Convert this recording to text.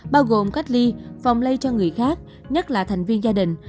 bao gồm cách ly phòng lây cho người khác nhất là thành viên gia đình